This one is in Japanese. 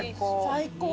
最高。